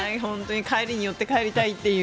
帰りに寄って帰りたいという。